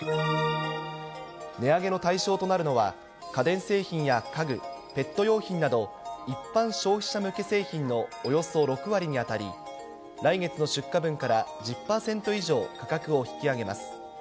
値上げの対象となるのは、家電製品や家具、ペット用品など一般消費者向け製品のおよそ６割に当たり、来月の出荷分から１０％以上価格を引き上げます。